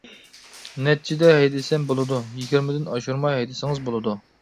-نەچچىدە ھەيدىسەم بولىدۇ؟ -يىگىرمىدىن ئاشۇرماي ھەيدىسىڭىز بولىدۇ.